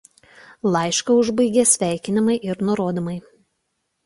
Laišką užbaigia sveikinimai ir nurodymai.